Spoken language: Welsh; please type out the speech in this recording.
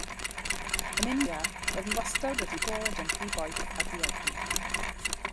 Yn India roedd hi wastad wedi bod yn rhy boeth a diegni.